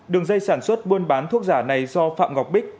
đường dây sản xuất buôn bán thuốc giả này do phạm ngọc bích